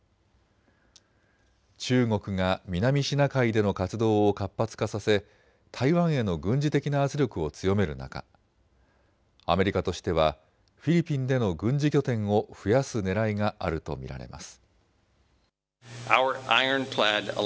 中国が南シナ海での活動を活発化させ、台湾への軍事的な圧力を強める中、アメリカとしてはフィリピンでの軍事拠点を増やすねらいがあると見られます。